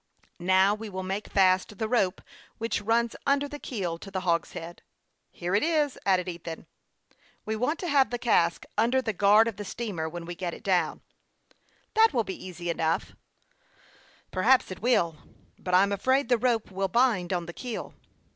" Now we will make fast the rope which runs under the keel to the hogshead/' " Here it is," added Ethan, detaching the line from the end of the raft. " We want to have the cask under the guard of the steamer when we get it down." " That will be easy enough." " Perhaps it will ; but I'm afraid the rope will bind on the keel."